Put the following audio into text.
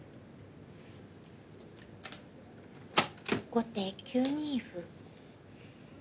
後手９二歩。